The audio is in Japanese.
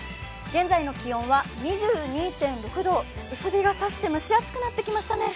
現在の気温は２２．６度薄日が差して、蒸し暑くなってきましたね。